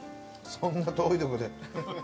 そんな遠いとこで。